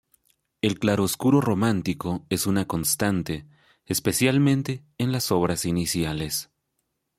El claroscuro romántico es una constante, especialmente en las obras iniciales.